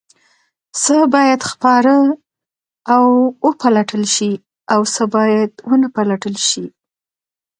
څه باید خپاره او وپلټل شي او څه باید ونه پلټل شي؟